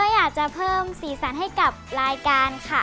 อยากจะเพิ่มสีสันให้กับรายการค่ะ